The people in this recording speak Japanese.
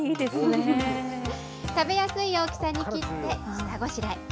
食べやすい大きさに切って下ごしらえ。